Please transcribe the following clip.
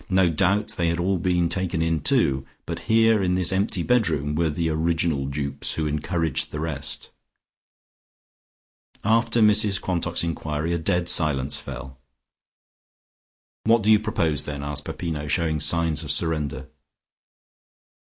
No doubt they had all been taken in, too, but here in this empty bedroom were the original dupes, who encouraged the rest. After Mrs Quantock's enquiry a dead silence fell. "What do you propose, then?" asked Peppino, showing signs of surrender.